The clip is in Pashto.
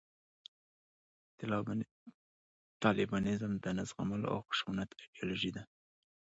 طالبانیزم د نه زغملو او د خشونت ایدیالوژي ده